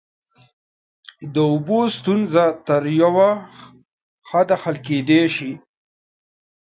د اوبو ستونزه تر یوه حده حل کیدای شي.